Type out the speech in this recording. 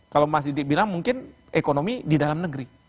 kalau mas didi bilang mungkin ekonomi di dalam negeri